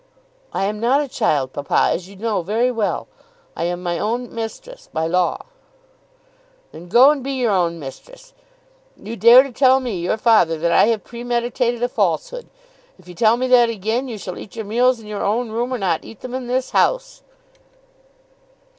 "I am not a child, papa, as you know very well. I am my own mistress, by law." "Then go and be your own mistress. You dare to tell me, your father, that I have premeditated a falsehood! If you tell me that again, you shall eat your meals in your own room or not eat them in this house."